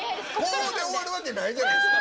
「ポッ」で終わるわけないじゃないですか。